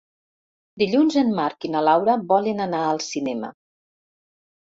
Dilluns en Marc i na Laura volen anar al cinema.